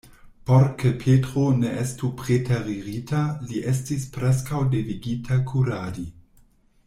Por ke Petro ne estu preteririta, li estis preskaŭ devigita kuradi.